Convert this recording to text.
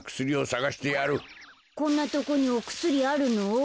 こんなとこにおくすりあるの？